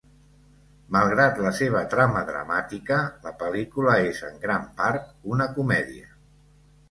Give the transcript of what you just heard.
Malgrat la seva trama dramàtica, la pel·lícula és en gran part una comèdia.